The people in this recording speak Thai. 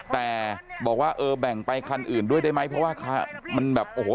แต่บอกว่าเออแบ่งไปคันอื่นด้วยได้ไหมเพราะว่ามันแบบโอ้โห